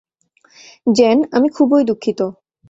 Gen, আমি খুবই দুঃখিত।